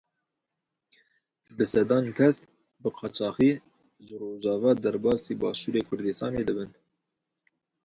Bi sedan kes bi qaçaxî ji Rojava derbasî Başûrê Kurdistanê dibin.